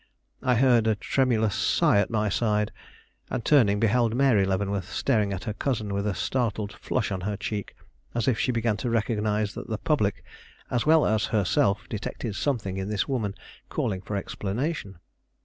I heard a tremulous sigh at my side, and, turning, beheld Mary Leavenworth staring at her cousin with a startled flush on her cheek, as if she began to recognize that the public, as well as herself, detected something in this woman, calling for explanation.